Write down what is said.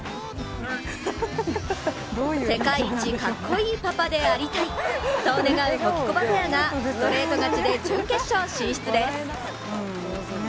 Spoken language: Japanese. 世界一かっこいいパパでありたい、そう願うホキコバペアがストレート勝ちで準決勝進出です。